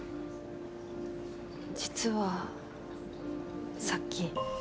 実はさっき。